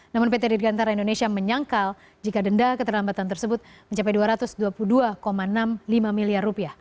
namun pt dirgantara indonesia menyangkal jika denda keterlambatan tersebut mencapai rp dua ratus dua puluh dua enam puluh lima miliar